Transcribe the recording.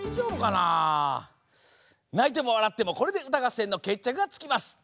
ないてもわらってもこれでうたがっせんのけっちゃくがつきます。